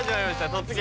「突撃！